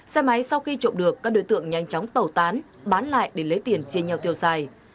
xe máy sau khi trộm được các đối tượng nhanh chóng tẩu tán bán lại để lấy tiền chia nhau tiêu xài